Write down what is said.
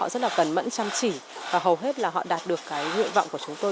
rất là cẩn mẫn chăm chỉ và hầu hết là họ đạt được cái nguyện vọng của chúng tôi